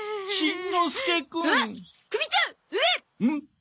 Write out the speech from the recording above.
ん？